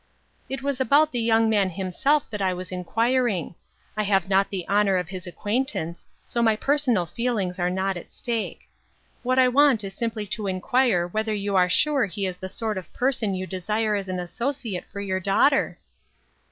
" It was about the young man himself that I was inquiring. I have not the honor of his acquaintance, so my personal feelings are not at stake. What I want is simply to inquire whether you are sure he is the sort of person you desire as an associate for your daughter